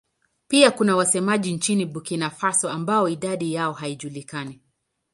Pia kuna wasemaji nchini Burkina Faso ambao idadi yao haijulikani.